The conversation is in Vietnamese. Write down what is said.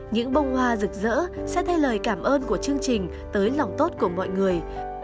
những bông hoa rực rỡ sẽ thay lời cảm ơn của chương trình tới lòng tốt của mọi người